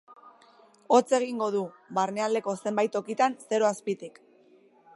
Hotz egingo du, barnealdeko zenbait tokitan zeroz azpitik.